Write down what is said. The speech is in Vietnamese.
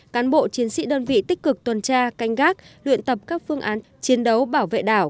cán bộ chiến sĩ đơn vị tích cực tuần tra canh gác luyện tập các phương án chiến đấu bảo vệ đảo